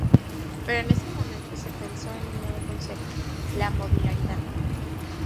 Pero en ese momento se pensó en un nuevo concepto: la modularidad.